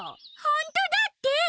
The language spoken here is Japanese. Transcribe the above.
ほんとだって！